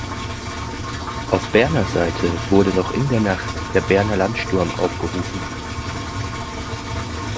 Auf Berner Seite wurde noch in der Nacht der Berner Landsturm aufgerufen.